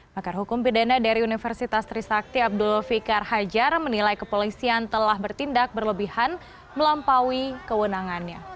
pakar hukum pidana dari universitas trisakti abdul fikar hajar menilai kepolisian telah bertindak berlebihan melampaui kewenangannya